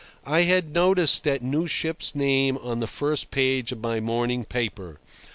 I had noticed that new ship's name on the first page of my morning paper.